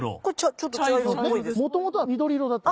もともとは緑色だった。